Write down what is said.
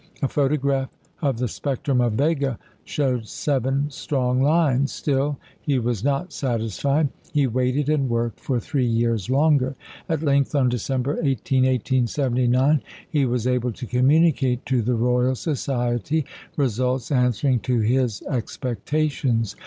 A photograph of the spectrum of Vega showed seven strong lines. Still he was not satisfied. He waited and worked for three years longer. At length, on December 18, 1879, he was able to communicate to the Royal Society results answering to his expectations.